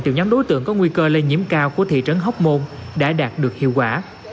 nhiều nhóm đối tượng có nguy cơ lây nhiễm cao của thị trấn hóc môn đã đạt được hiệu quả